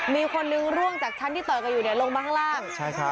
มีคนนึงร่วงจากชั้นที่ต่อยกันอยู่ลงมาข้างล่าง